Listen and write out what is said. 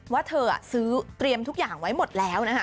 ว่าเธอซื้อเตรียมทุกอย่างไว้หมดแล้วนะคะ